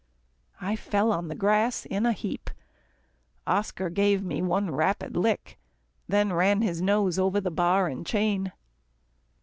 I fell on the grass in a heap. Oscar gave me one rapid lick, then ran his nose over the bar and chain.